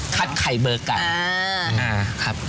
คัดไข่เบอร์กัน